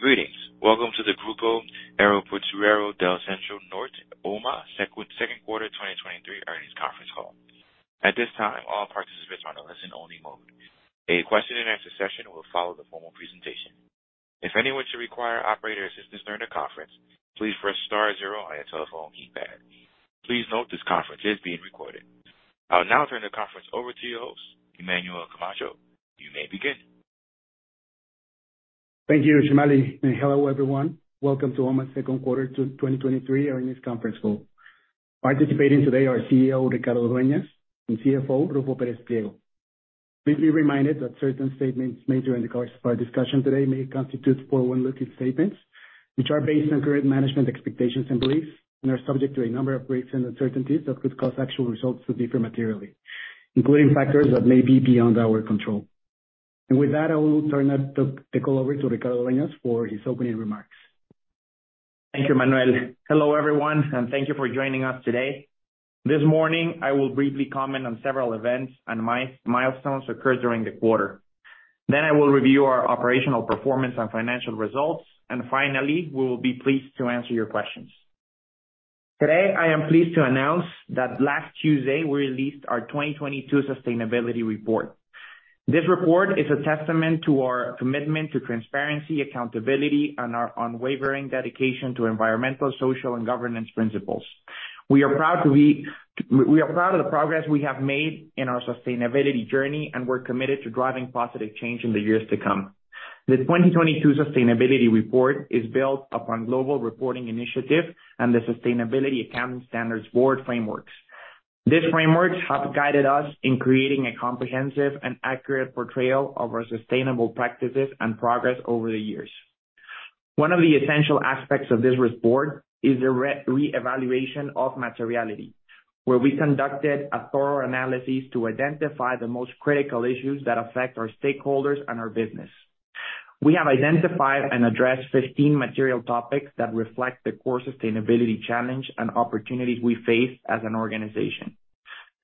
Greetings. Welcome to the Grupo Aeroportuario del Centro Norte, OMA, second quarter 2023 earnings conference call. At this time, all participants are in a listen-only mode. A question-and-answer session will follow the formal presentation. If anyone should require operator assistance during the conference, please press star zero on your telephone keypad. Please note, this conference is being recorded. I'll now turn the conference over to your host, Emmanuel Camacho. You may begin. Thank you, Gimeli. Hello, everyone. Welcome to OMA's second quarter 2023 earnings conference call. Participating today are CEO Ricardo Dueñas and CFO Ruffo Pérez Pliego. Please be reminded that certain statements made during the course of our discussion today may constitute forward-looking statements, which are based on current management expectations and beliefs, and are subject to a number of risks and uncertainties that could cause actual results to differ materially, including factors that may be beyond our control. With that, I will turn the call over to Ricardo Dueñas for his opening remarks. Thank you, Emmanuel. Hello, everyone, and thank you for joining us today. This morning, I will briefly comment on several events and milestones occurred during the quarter. I will review our operational performance and financial results, and finally, we will be pleased to answer your questions. Today, I am pleased to announce that last Tuesday, we released our 2022 sustainability report. This report is a testament to our commitment to transparency, accountability, and our unwavering dedication to environmental, social, and governance principles. We are proud to be, we are proud of the progress we have made in our sustainability journey, and we're committed to driving positive change in the years to come. The 2022 sustainability report is built upon Global Reporting Initiative and the Sustainability Accounting Standards Board frameworks. These frameworks have guided us in creating a comprehensive and accurate portrayal of our sustainable practices and progress over the years. One of the essential aspects of this report is the reevaluation of materiality, where we conducted a thorough analysis to identify the most critical issues that affect our stakeholders and our business. We have identified and addressed 15 material topics that reflect the core sustainability challenge and opportunities we face as an organization.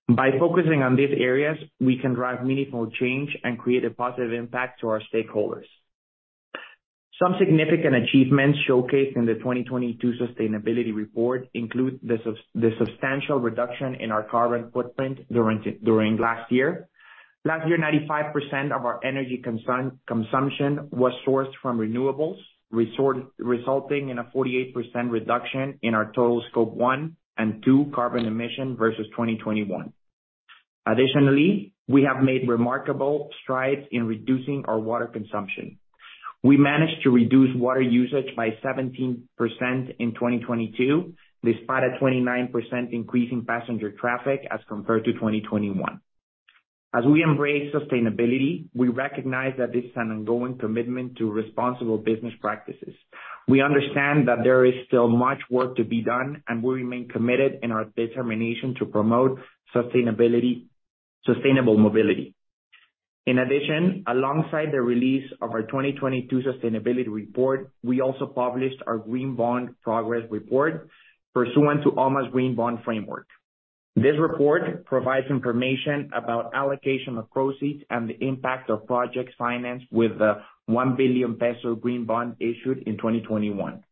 By focusing on these areas, we can drive meaningful change and create a positive impact to our stakeholders. Some significant achievements showcased in the 2022 sustainability report include the substantial reduction in our carbon footprint during last year. Last year, 95% of our energy consumption was sourced from renewables, resulting in a 48% reduction in our total Scope 1 and 2 carbon emission versus 2021. Additionally, we have made remarkable strides in reducing our water consumption. We managed to reduce water usage by 17% in 2022, despite a 29% increase in passenger traffic as compared to 2021. As we embrace sustainability, we recognize that this is an ongoing commitment to responsible business practices. We understand that there is still much work to be done, and we remain committed in our determination to promote sustainable mobility. In addition, alongside the release of our 2022 sustainability report, we also published our green bond progress report pursuant to OMA's green bond framework. This report provides information about allocation of proceeds and the impact of project finance with the 1 billion peso green bond issued in 2021.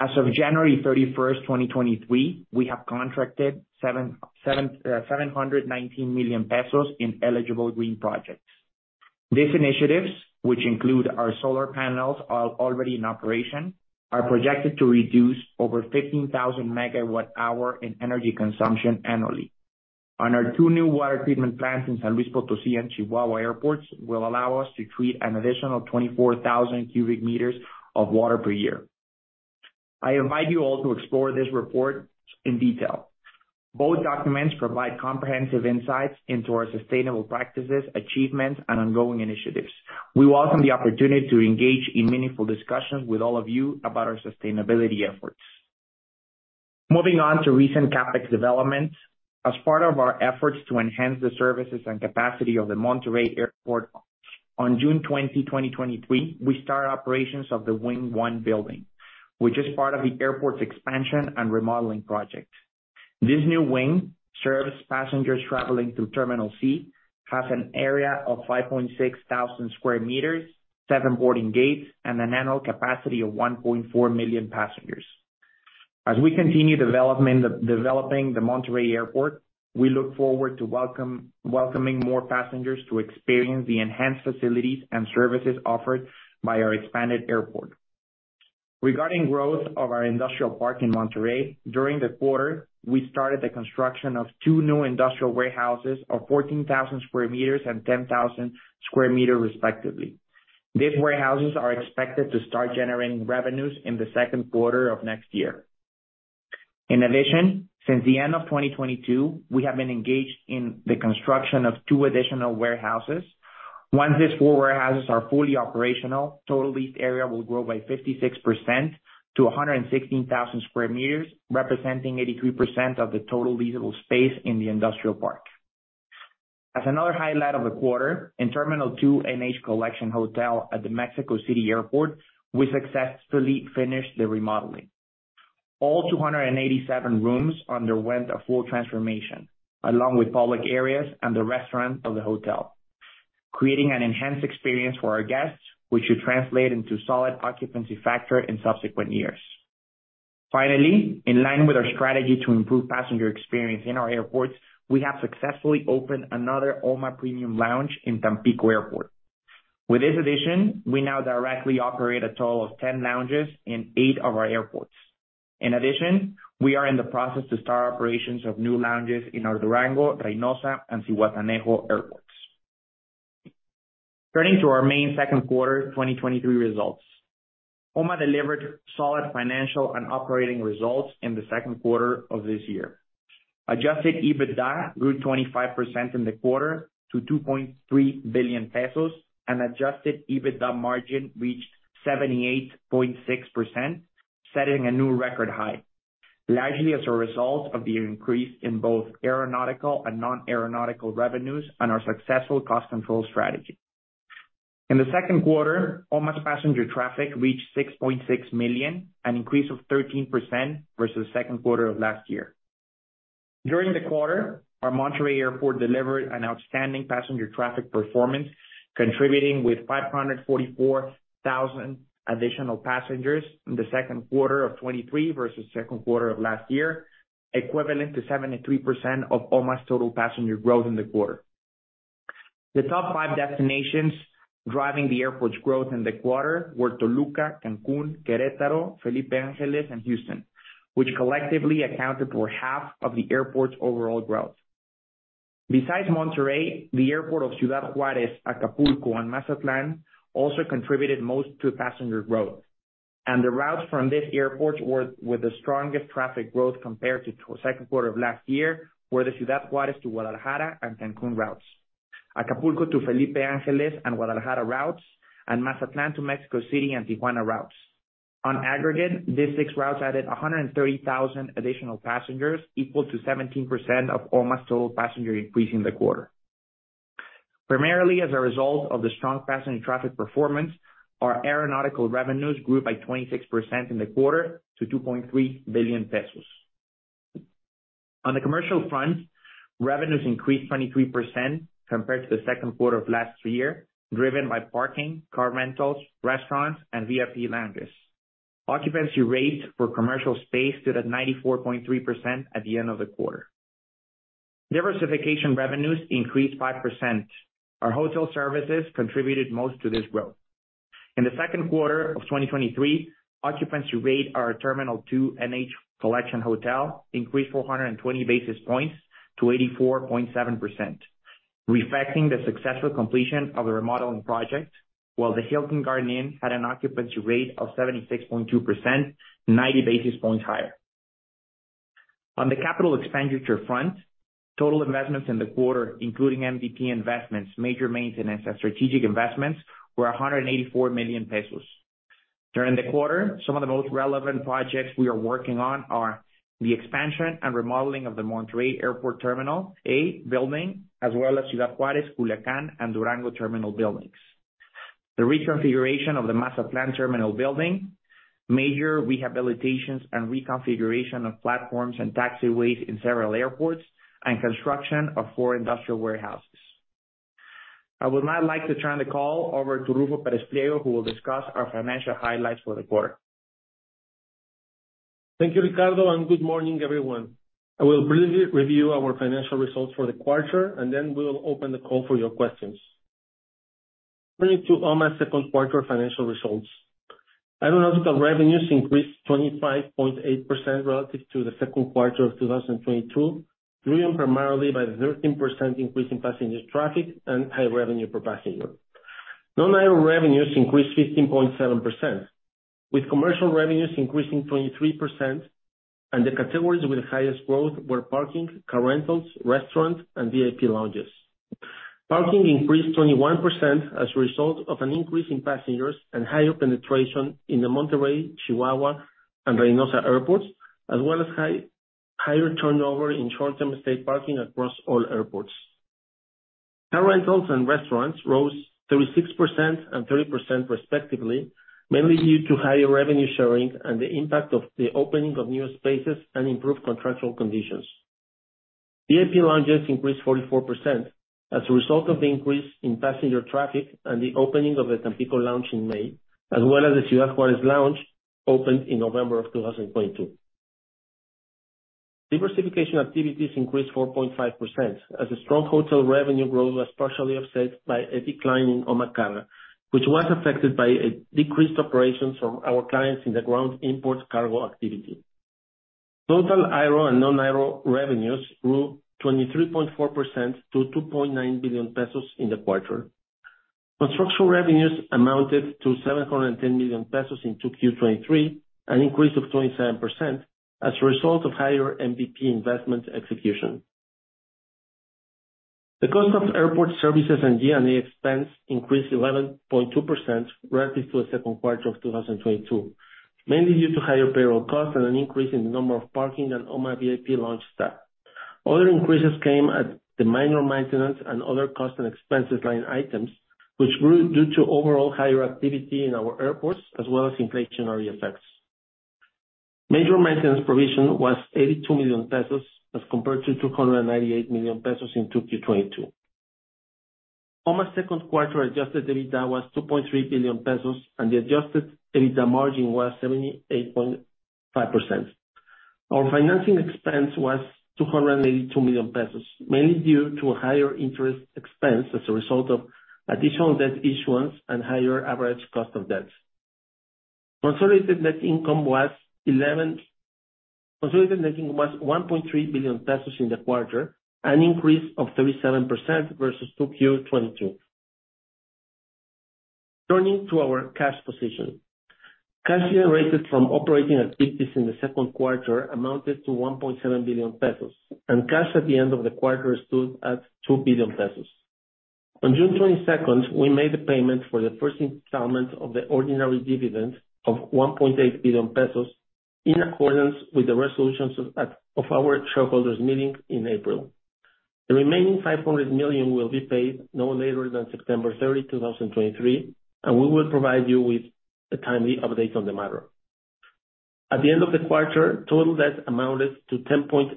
As of January 31st, 2023, we have contracted 719 million pesos in eligible green projects. These initiatives, which include our solar panels, are already in operation, are projected to reduce over 15,000 MWh in energy consumption annually. On our two new water treatment plants in San Luis Potosí and Chihuahua airports, will allow us to treat an additional 24,000 cubic meters of water per year. I invite you all to explore this report in detail. Both documents provide comprehensive insights into our sustainable practices, achievements, and ongoing initiatives. We welcome the opportunity to engage in meaningful discussions with all of you about our sustainability efforts. Moving on to recent CapEx developments. As part of our efforts to enhance the services and capacity of the Monterrey Airport, on June 20, 2023, we start operations of the Wing One building, which is part of the airport's expansion and remodeling project. This new wing serves passengers traveling through Terminal C, has an area of 5,600 square meters, seven boarding gates, and an annual capacity of 1.4 million passengers. As we continue developing the Monterrey Airport, we look forward to welcoming more passengers to experience the enhanced facilities and services offered by our expanded airport. Regarding growth of our industrial park in Monterrey, during the quarter, we started the construction of two new industrial warehouses of 14,000 square meters and 10,000 square meters, respectively. These warehouses are expected to start generating revenues in the second quarter of next year. In addition, since the end of 2022, we have been engaged in the construction of two additional warehouses. Once these four warehouses are fully operational, total leased area will grow by 56% to 116,000 sq m, representing 83% of the total leasable space in the industrial park. As another highlight of the quarter, in Terminal Two, NH Collection Hotel at the Mexico City Airport, we successfully finished the remodeling. All 287 rooms underwent a full transformation, along with public areas and the restaurant of the hotel, creating an enhanced experience for our guests, which should translate into solid occupancy factor in subsequent years. Finally, in line with our strategy to improve passenger experience in our airports, we have successfully opened another OMA Premium Lounge in Tampico Airport. With this addition, we now directly operate a total of 10 lounges in eight of our airports. In addition, we are in the process to start operations of new lounges in our Durango, Reynosa, and Zihuatanejo airports. Turning to our main second quarter 2023 results. OMA delivered solid financial and operating results in the second quarter of this year. Adjusted EBITDA grew 25% in the quarter to 2.3 billion pesos, and adjusted EBITDA margin reached 78.6%, setting a new record high, largely as a result of the increase in both aeronautical and non-aeronautical revenues and our successful cost control strategy. In the second quarter, OMA's passenger traffic reached 6.6 million, an increase of 13% versus second quarter of last year. During the quarter, our Monterrey Airport delivered an outstanding passenger traffic performance, contributing with 544,000 additional passengers in the second quarter of 2023 versus second quarter of last year, equivalent to 73% of OMA's total passenger growth in the quarter. The top five destinations driving the airport's growth in the quarter were Toluca, Cancun, Querétaro, Felipe Ángeles, and Houston, which collectively accounted for half of the airport's overall growth. Besides Monterrey, the airport of Ciudad Juárez, Acapulco, and Mazatlán also contributed most to passenger growth, and the routes from these airports were, were the strongest traffic growth compared to second quarter of last year, were the Ciudad Juárez to Guadalajara and Cancun routes. Acapulco to Felipe Ángeles and Guadalajara routes, and Mazatlán to Mexico City and Tijuana routes. On aggregate, these six routes added 130,000 additional passengers, equal to 17% of OMA's total passenger increase in the quarter. Primarily, as a result of the strong passenger traffic performance, our aeronautical revenues grew by 26% in the quarter to 2.3 billion pesos. On the commercial front, revenues increased 23% compared to the second quarter of last year, driven by parking, car rentals, restaurants, and VIP lounges. Occupancy rates for commercial space stood at 94.3% at the end of the quarter. Diversification revenues increased 5%. Our hotel services contributed most to this growth. In the second quarter of 2023, occupancy rate, our Terminal Two NH Collection Hotel increased 420 basis points to 84.7%, reflecting the successful completion of the remodeling project, while the Hilton Garden Inn had an occupancy rate of 76.2%, 90 basis points higher. On the capital expenditure front, total investments in the quarter, including MDP investments, major maintenance, and strategic investments, were 184 million pesos. During the quarter, some of the most relevant projects we are working on are: the expansion and remodeling of the Monterrey Airport Terminal A building, as well as Ciudad Juárez, Culiacán, and Durango terminal buildings. The reconfiguration of the Mazatlán terminal building, major rehabilitations and reconfiguration of platforms and taxiways in several airports, and construction of four industrial warehouses. I would now like to turn the call over to Ruffo Pérez Pliego, who will discuss our financial highlights for the quarter. Thank you, Ricardo. Good morning, everyone. I will briefly review our financial results for the quarter, then we'll open the call for your questions. Turning to OMA's second quarter financial results. Aeronautical revenues increased 25.8% relative to the second quarter of 2022, driven primarily by the 13% increase in passenger traffic and high revenue per passenger. Non-aero revenues increased 15.7%, with commercial revenues increasing 23%. The categories with the highest growth were parking, car rentals, restaurants, and VIP lounges. Parking increased 21% as a result of an increase in passengers and higher penetration in the Monterrey, Chihuahua, and Reynosa airports, as well as higher turnover in short-term stay parking across all airports. Car rentals and restaurants rose 36% and 30% respectively, mainly due to higher revenue sharing and the impact of the opening of new spaces and improved contractual conditions. VIP lounges increased 44% as a result of the increase in passenger traffic and the opening of the Tampico Lounge in May, as well as the Ciudad Juárez Lounge, opened in November of 2022. Diversification activities increased 4.5%, as the strong hotel revenue growth was partially offset by a decline in OMA Cargo, which was affected by a decreased operations from our clients in the ground imports cargo activity. Total aero and non-aero revenues grew 23.4% to 2.9 billion pesos in the quarter. Construction revenues amounted to 710 million pesos in 2Q, 2023, an increase of 27% as a result of higher MVP investment execution. The cost of airport services and G&A expense increased 11.2% relative to the 2Q, 2022, mainly due to higher payroll costs and an increase in the number of parking and OMA VIP lounge staff. Other increases came at the minor maintenance and other cost and expenses line items, which grew due to overall higher activity in our airports, as well as inflationary effects. Major maintenance provision was 82 million pesos, as compared to 298 million pesos in 2Q, 2022. Our second quarter, adjusted EBITDA was 2.3 billion pesos, and the adjusted EBITDA margin was 78.5%. Our financing expense was 282 million pesos, mainly due to a higher interest expense as a result of additional debt issuance and higher average cost of debt. Consolidated net income was 1.3 billion pesos in the quarter, an increase of 37% versus 2Q, 2022. Turning to our cash position. Cash generated from operating activities in the second quarter amounted to 1.7 billion pesos, and cash at the end of the quarter stood at 2 billion pesos. On June 22, we made a payment for the first installment of the ordinary dividend of 1.8 billion pesos, in accordance with the resolutions of, of our shareholders meeting in April. The remaining 500 million will be paid no later than September 30, 2023, and we will provide you with a timely update on the matter. At the end of the quarter, total debt amounted to 10.8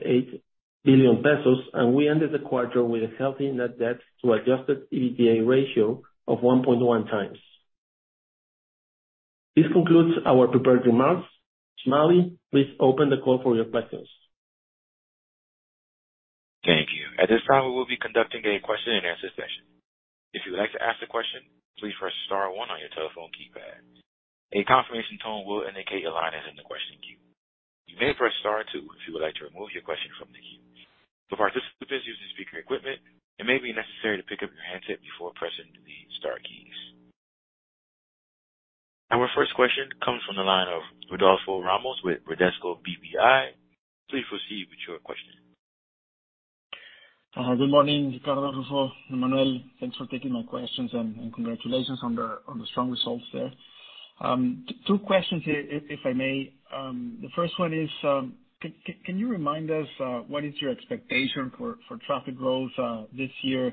billion pesos, and we ended the quarter with a healthy net debt to adjusted EBITDA ratio of 1.1 times. This concludes our prepared remarks. Gimeli, please open the call for your questions. Thank you. At this time, we will be conducting a question and answer session. If you would like to ask a question, please press star one on your telephone keypad. A confirmation tone will indicate your line is in the question queue. You may press star two if you would like to remove your question from the queue. For participants using speaker equipment, it may be necessary to pick up your handset before pressing the star keys. Our first question comes from the line of Rodolfo Ramos with Bradesco BBI. Please proceed with your question. Good morning, Ricardo, Ruffo, Emmanuel. Thanks for taking my questions and congratulations on the strong results there. Two questions here, if I may. The first one is, can you remind us what is your expectation for traffic growth this year?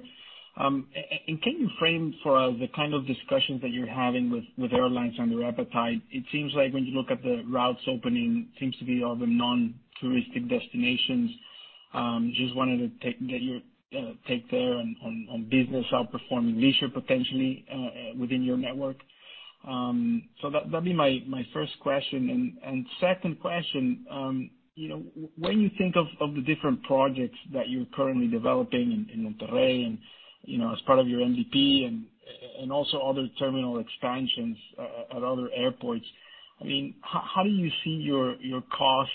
Can you frame for us the kind of discussions that you're having with airlines on their appetite? It seems like when you look at the routes opening, seems to be all the non-touristic destinations. Just wanted to get your take there on business outperforming leisure, potentially, within your network. That'd be my first question. Second question, you know, when you think of the different projects that you're currently developing in Monterrey, and, you know, as part of your MDP and also other terminal expansions at other airports, I mean, how do you see your cost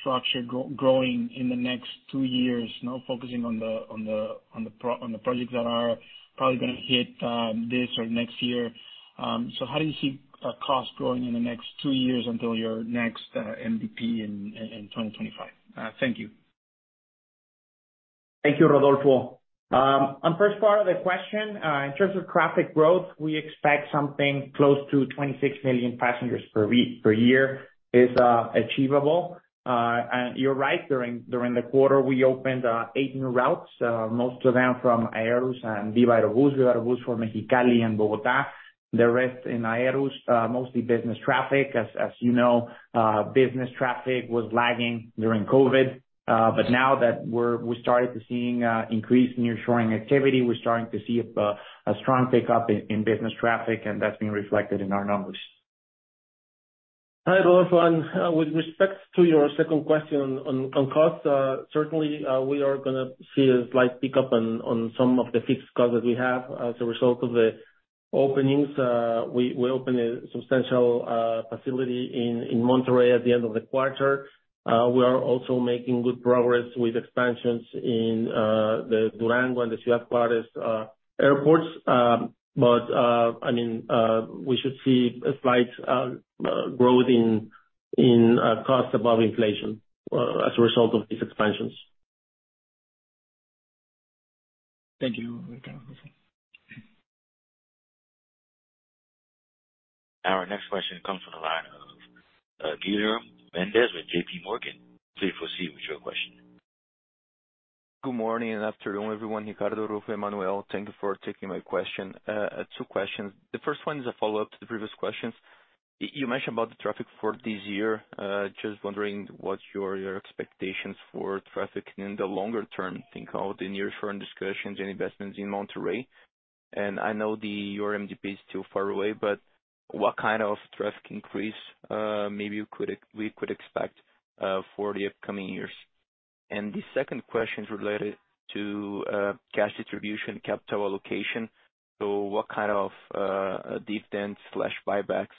structure growing in the next two years? Not focusing on the projects that are probably gonna hit this or next year. How do you see costs growing in the next two years until your next MDP in 2025? Thank you. Thank you, Rodolfo. On first part of the question, in terms of traffic growth, we expect something close to 26 million passengers per year is achievable. You're right, during, during the quarter, we opened eight new routes, most of them from Aerus and Viva Aerobus. Viva Aerobus from Mexicali and Bogotá. The rest in Aerus, mostly business traffic. As, as you know, business traffic was lagging during COVID, now that we started to seeing increase in nearshoring activity, we're starting to see a strong pickup in business traffic. That's been reflected in our numbers. Hi, Rodolfo, and with respects to your second question on costs, certainly, we are gonna see a slight pickup on some of the fixed costs that we have as a result of the openings. We, we opened a substantial facility in Monterrey at the end of the quarter. We are also making good progress with expansions in the Durango and the Ciudad Juárez airports. I mean, we should see a slight growth in cost above inflation as a result of these expansions. Thank you. Our next question comes from the line of Guilherme Mendes with J.P. Morgan. Please proceed with your question. Good morning and afternoon, everyone, Ricardo, Ruffo, Emmanuel. Thank you for taking my question. I have two questions. The first one is a follow-up to the previous questions. You mentioned about the traffic for this year. Just wondering what your, your expectations for traffic in the longer term. Think of the near-term discussions and investments in Monterrey. I know your MDP is still far away, but what kind of traffic increase, maybe we could expect for the upcoming years? The second question is related to cash distribution, capital allocation. What kind of dividend/buybacks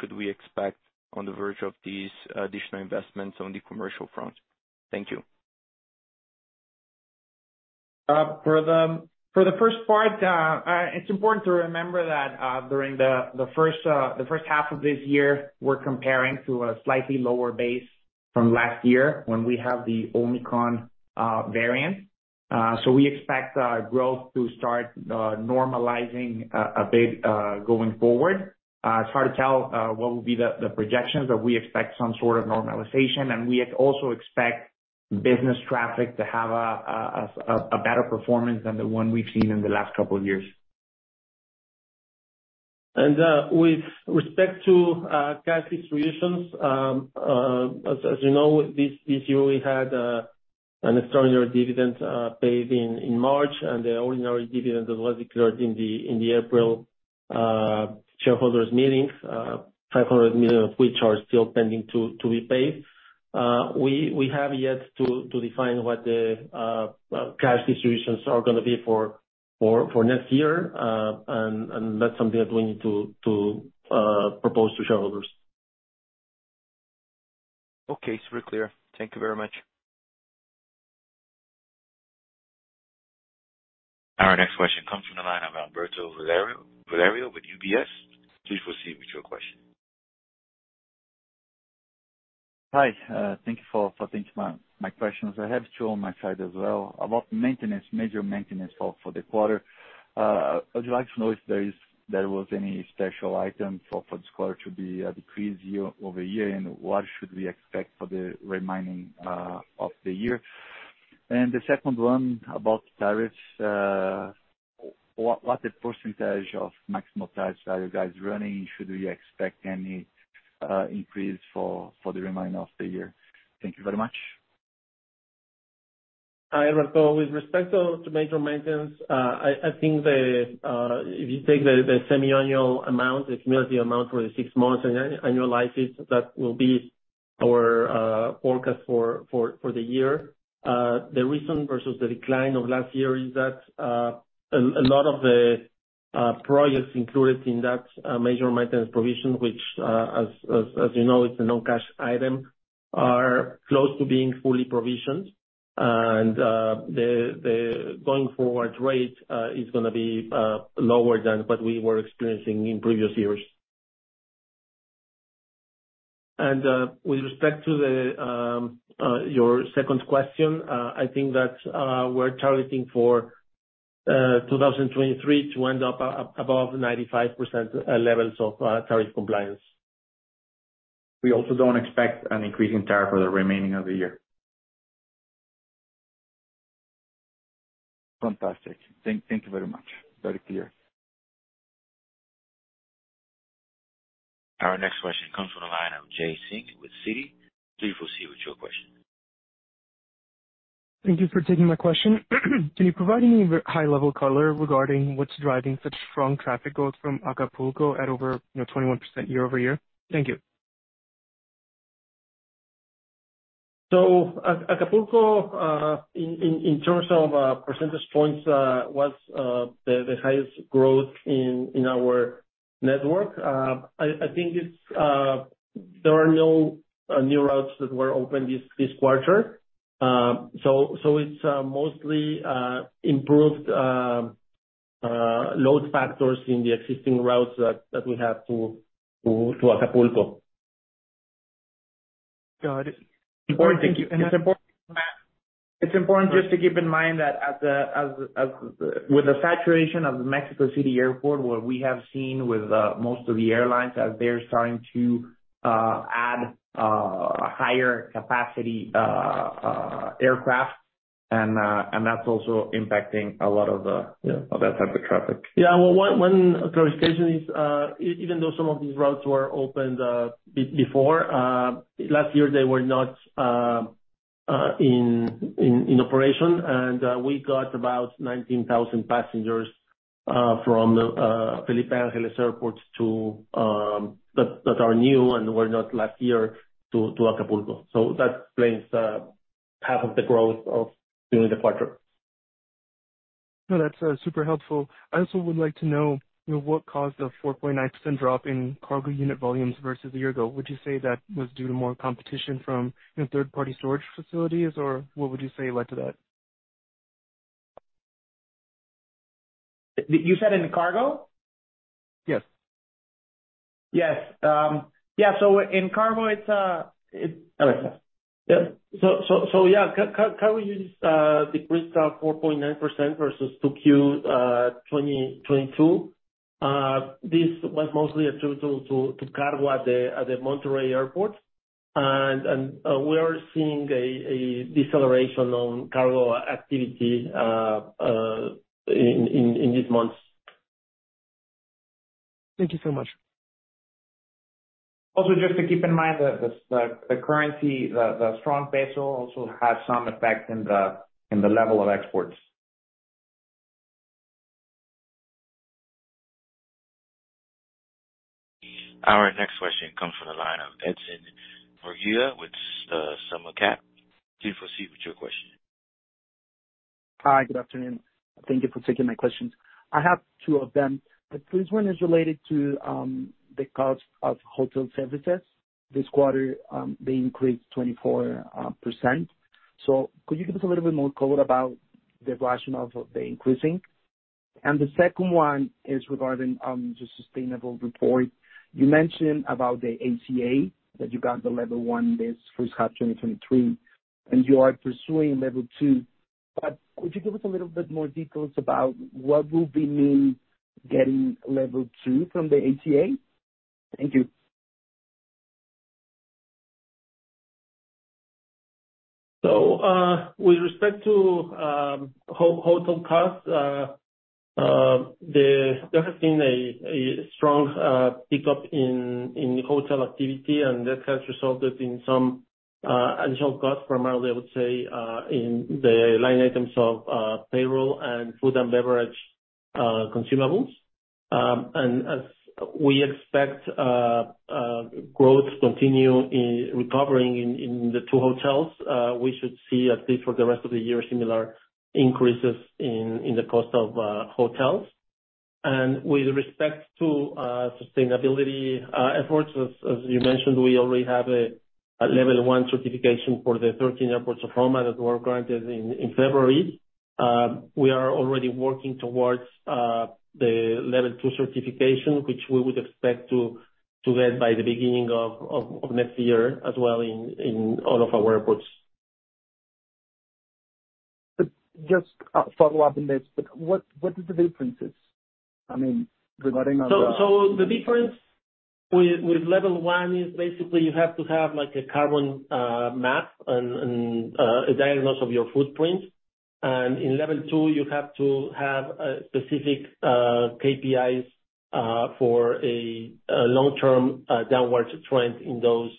should we expect on the verge of these additional investments on the commercial front? Thank you. For the first part, it's important to remember that during the first half of this year, we're comparing to a slightly lower base from last year, when we had the Omicron variant. So we expect growth to start normalizing a bit going forward. It's hard to tell what will be the projections, but we expect some sort of normalization, and we also expect business traffic to have a better performance than the one we've seen in the last couple of years. With respect to cash distributions, as you know, this year we had an extraordinary dividend paid in March, and the ordinary dividend was declared in the April shareholders meetings. 500 million of which are still pending to be paid. We have yet to define what the cash distributions are gonna be for next year, and that's something that we need to propose to shareholders. Okay, super clear. Thank you very much. Our next question comes from the line of Alberto Valerio, Valerio with UBS. Please proceed with your question. Hi, thank you for taking my questions. I have two on my side as well. About maintenance, major maintenance for the quarter, I'd like to know if there was any special items for this quarter to be a decrease year-over-year, and what should we expect for the remaining of the year? The second one about tariffs, what the percentage of maximum tariffs are you guys running? Should we expect any increase for the remainder of the year? Thank you very much. Hi, Alberto. With respect to, to major maintenance, I, I think the, if you take the, the semi-annual amount, the cumulative amount for the six months, and annualize it, that will be our forecast for, for, for the year. The reason versus the decline of last year is that, a, a lot of the projects included in that major maintenance provision, which, as, as, as you know, is a non-cash item, are close to being fully provisioned. The, the going forward rate is gonna be lower than what we were experiencing in previous years. With respect to the, your second question, I think that, we're targeting for 2023 to end up above 95% levels of tariff compliance. We also don't expect an increase in tariff for the remaining of the year. Fantastic. Thank, thank you very much. Very clear. Our next question comes from the line of Jay Singh with Citi. Please proceed with your question. Thank you for taking my question. Can you provide any high-level color regarding what's driving such strong traffic growth from Acapulco at over, you know, 21% year-over-year? Thank you. Acapulco in terms of percentage points, was the highest growth in our network. I think it's there are no new routes that were opened this quarter. It's mostly improved load factors in the existing routes that we have to Acapulco. Got it. It's important- Thank you. It's important, it's important just to keep in mind that at the, as with the saturation of the Mexico City Airport, what we have seen with most of the airlines, as they're starting to add higher capacity aircraft, and that's also impacting a lot of the, you know, of that type of traffic. Yeah. Well, one, one clarification is, even though some of these routes were opened, before, last year, they were not in operation. We got about 19,000 passengers from Felipe Angeles Airport to that, that are new and were not last year to Acapulco. That explains half of the growth of during the quarter. That's super helpful. I also would like to know, you know, what caused the 4.9% drop in cargo unit volumes versus a year ago? Would you say that was due to more competition from, you know, third-party storage facilities, or what would you say led to that? You said in the cargo? Yes. Yes. Yeah, in cargo, it's. Yeah. cargo units decreased 4.9% versus 2Q 2022. This was mostly due to cargo at the Monterrey Airport. we are seeing a deceleration on cargo activity in these months. Thank you so much. Also, just to keep in mind that the, the, the currency, the, the strong peso also has some effect in the, in the level of exports. Our next question comes from the line of Edson Murguia with SummaCap. Please proceed with your question. Hi, good afternoon. Thank you for taking my questions. I have two of them. The first one is related to, the cost of hotel services. This quarter, they increased 24%. Could you give us a little bit more color about the rationale of the increasing? The second one is regarding, the sustainable report. You mentioned about the ACA, that you got the level one this first half, 2023, and you are pursuing level two. Could you give us a little bit more details about what will be mean getting level two from the ACA? Thank you. With respect to hotel costs, there has been a strong pickup in hotel activity, and that has resulted in some additional costs, primarily, I would say, in the line items of payroll and food and beverage consumables. And as we expect growth to continue in recovering in the two hotels, we should see at least for the rest of the year, similar increases in the cost of hotels. And with respect to sustainability efforts, as you mentioned, we already have a Level 1 certification for the 13 airports of inaudible that were granted in February. We are already working towards the Level two certification, which we would expect to get by the beginning of next year as well in all of our airports. Just a follow-up on this, but what, what is the differences? I mean, regarding of the- So the difference with, with Level one is basically you have to have, like, a carbon map and, and a diagnosis of your footprint. In Level two, you have to have a specific KPIs for a long-term downward trend in those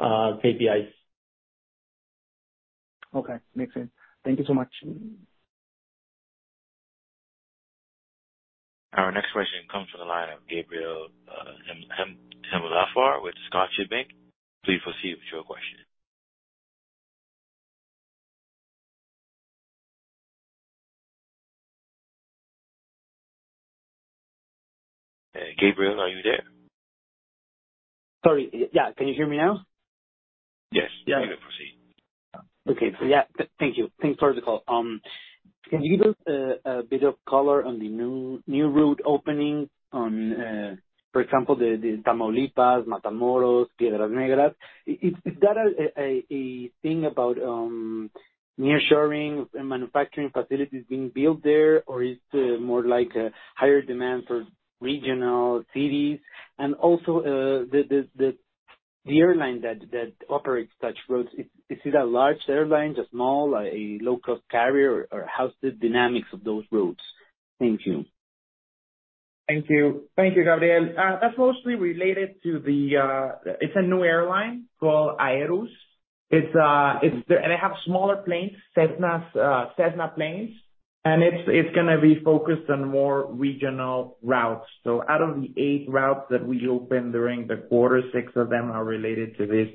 KPIs. Okay. Makes sense. Thank you so much. Our next question comes from the line of Gabriel Himelfarb with Scotiabank. Please proceed with your question. Gabriel, are you there? Sorry. Yeah, can you hear me now? Yes. Yeah. You can proceed. Yeah, thank you. Thanks for the call. Can you give a bit of color on the new, new route openings on, for example, the Tamaulipas, Matamoros, Piedras Negras? Is that a thing about nearshoring and manufacturing facilities being built there, or is it more like a higher demand for regional cities? Also, the airline that operates such routes, is it a large airline, a small, a low-cost carrier, or how's the dynamics of those routes? Thank you. Thank you. Thank you, Gabriel. That's mostly related to the. It's a new airline called Aerus. They have smaller planes, Cessnas, Cessna planes, and it's gonna be focused on more regional routes. Out of the 8 routes that we opened during the quarter, 6 of them are related to this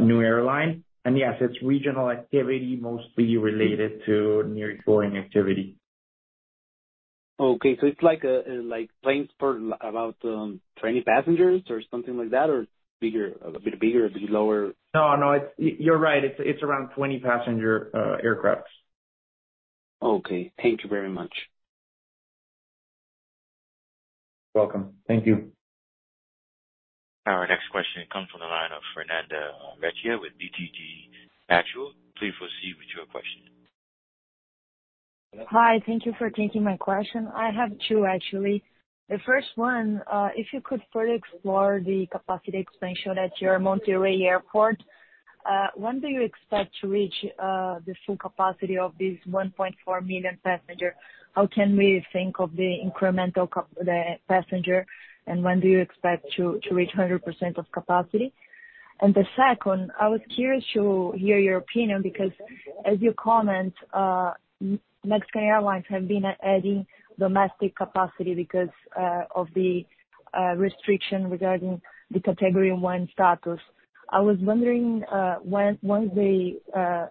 new airline. Yes, it's regional activity, mostly related to nearshoring activity. Okay. It's like, like planes for about, 20 passengers or something like that, or bigger, a bit bigger, a bit lower? No, no. You're right. It's around 20 passenger aircrafts. Okay. Thank you very much. Welcome. Thank you. Our next question comes from the line of Fernanda Recchia with BTG Pactual. Please proceed with your question. Hi, thank you for taking my question. I have two, actually. The first one, if you could further explore the capacity expansion at your Monterrey Airport, when do you expect to reach the full capacity of this 1.4 million passenger? How can we think of the incremental the passenger, and when do you expect to reach 100% of capacity? The second, I was curious to hear your opinion, because as you comment, Mexican airlines have been adding domestic capacity because of the restriction regarding the Category one status. I was wondering, once they,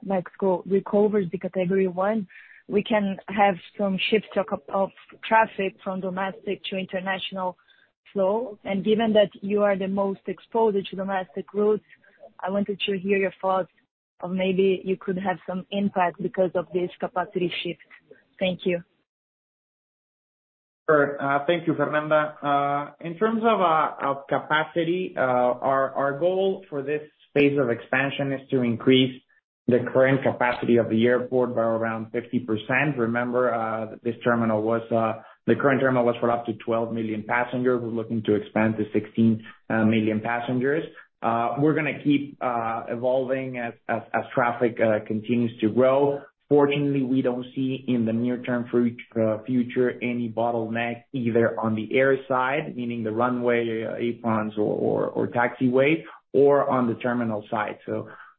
like, go recovers the Category one, we can have some shifts of traffic from domestic to international flow. Given that you are the most exposed to domestic routes, I wanted to hear your thoughts on maybe you could have some impact because of this capacity shift. Thank you. Sure. Thank you, Fernanda. In terms of capacity, our goal for this phase of expansion is to increase the current capacity of the airport by around 50%. Remember that this terminal was, the current terminal was for up to 12 million passengers. We're looking to expand to 16 million passengers. We're gonna keep evolving as traffic continues to grow. Fortunately, we don't see in the near-term future, any bottleneck, either on the airside, meaning the runway, aprons or taxiway, or on the terminal side.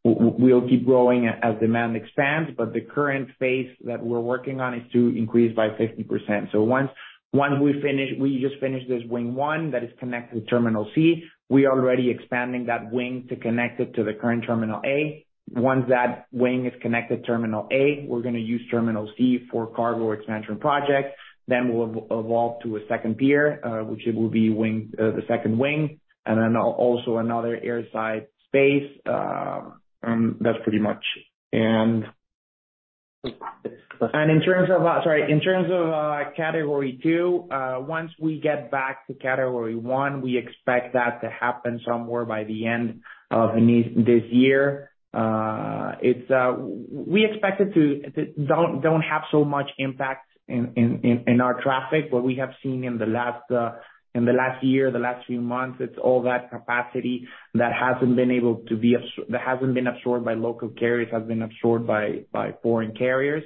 We'll keep growing as demand expands, but the current phase that we're working on is to increase by 50%. Once, once we finish, we just finish this Wing One that is connected to Terminal C, we are already expanding that wing to connect it to the current Terminal A. Once that wing is connected to Terminal A, we're gonna use Terminal C for cargo expansion projects. We'll evolve to a second pier, which it will be wing, the second wing, and then also another airside space. That's pretty much it. In terms of, sorry, in terms of Category 2, once we get back to Category 1, we expect that to happen somewhere by the end of this, this year. It's, we expect it to, to don't, don't have so much impact in our traffic. What we have seen in the last, in the last year, the last few months, it's all that capacity that hasn't been able to be that hasn't been absorbed by local carriers, has been absorbed by, by foreign carriers.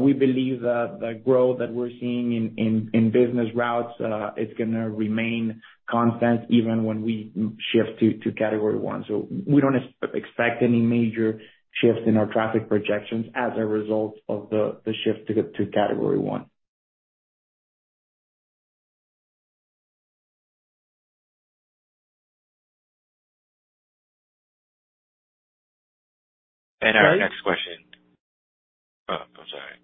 We believe that the growth that we're seeing in, in, in business routes, is gonna remain constant even when we shift to, to Category one. We don't expect any major shifts in our traffic projections as a result of the, the shift to, to Category one. Our next question, Oh, I'm sorry.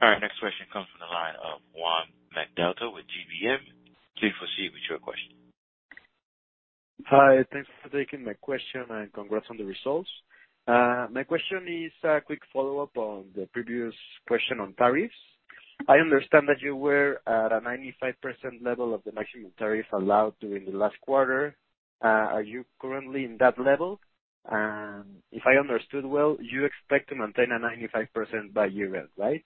Our next question comes from the line of Juan Macedo with GBM. Please proceed with your question. Hi. Thanks for taking my question, congrats on the results. My question is a quick follow-up on the previous question on tariffs. I understand that you were at a 95% level of the maximum tariff allowed during the last quarter. Are you currently in that level? If I understood well, you expect to maintain a 95% by year-end, right?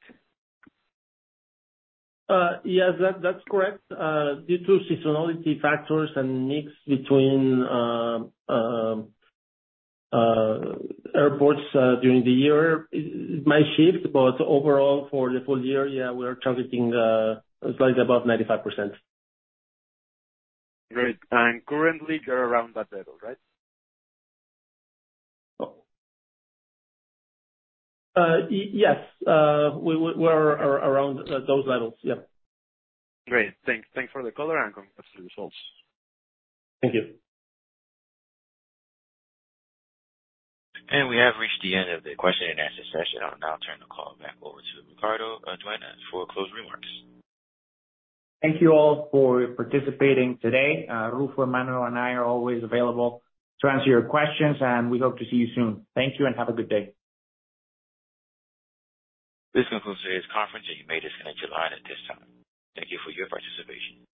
Yes, that, that's correct. Due to seasonality factors and mix between airports, during the year, it, it might shift, but overall, for the full year, yeah, we are targeting slightly above 95%. Great. Currently, you're around that level, right? Yes. We're around those levels. Yep. Great. Thanks. Thanks for the color. Congrats on the results. Thank you. We have reached the end of the question and answer session. I'll now turn the call back over to Ricardo Dueñas for closing remarks. Thank you all for participating today. Ruffo, Manuel, and I are always available to answer your questions, and we hope to see you soon. Thank you, and have a good day. This concludes today's conference. You may disconnect your line at this time. Thank you for your participation.